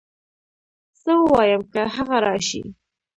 څه ووايم که هغه راشي